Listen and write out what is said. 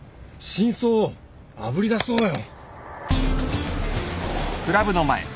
真相をあぶり出そうよ。